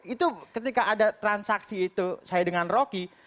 itu ketika ada transaksi itu saya dengan rocky